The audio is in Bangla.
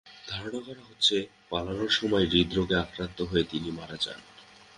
ধারণা করা হচ্ছে, পালানোর সময় হূদেরাগে আক্রান্ত হয়ে তিনি মারা যান।